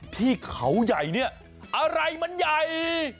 ที่เขาใหญ่อะไรมันใหญ่